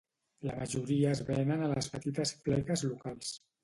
La majoria es venen a les petites fleques locals.